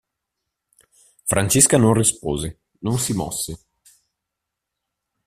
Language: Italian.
Francesca non rispose, non si mosse.